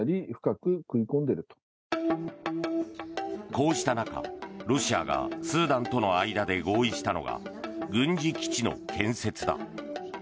こうした中、ロシアがスーダンとの間で合意したのが軍事基地の建設だ。